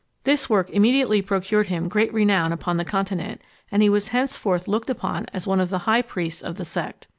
This work immediately procured him great renown upon the Continent, and he was henceforth looked upon as one of the high priests of the sect.